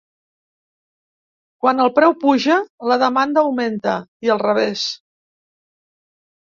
Quan el preu puja, la demanda augmenta, i al revés.